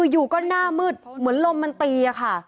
อยู่ก็หน้ามืดเหมือนลมมันตีค่ะ